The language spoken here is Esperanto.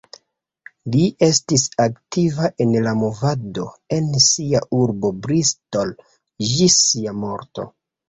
Li estis aktiva en la movado en sia urbo Bristol, ĝis sia morto.